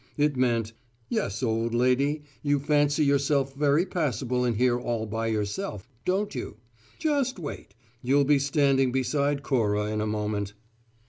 It meant: "Yes, old lady, you fancy yourself very passable in here all by yourself, don't you? Just wait: you'll be standing beside Cora in a moment!"